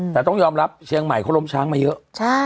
แต่ต้องยอมรับเชียงใหม่เขาล้มช้างมาเยอะ